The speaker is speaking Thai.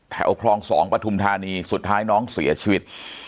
แถวคลอง๒ปฐุมธานีสุดท้ายน้องเสียชีวิต